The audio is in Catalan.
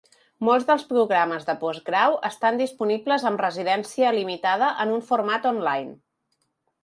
Molts dels programes de postgrau estan disponibles amb residència limitada en un format on-line.